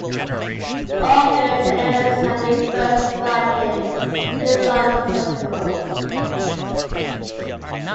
Ogre elements have been first described in "Pisum sativum".